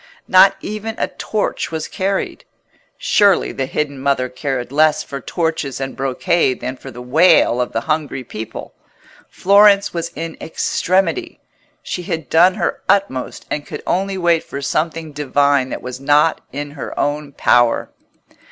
Not even a torch was carried. Surely the hidden Mother cared less for torches and brocade than for the wail of the hungry people. Florence was in extremity: she had done her utmost, and could only wait for something divine that was not in her own power.